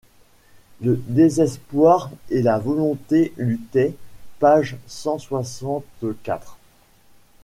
Le désespoir et la volonté luttaient, page cent soixante-quatre.